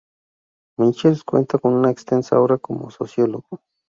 Michels cuenta con una extensa obra como sociólogo.